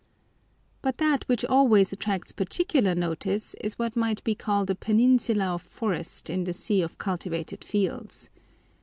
But that which always attracts particular notice is what might be called a peninsula of forest in the sea of cultivated fields.